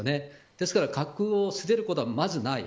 ですから、核を捨てることはまずない。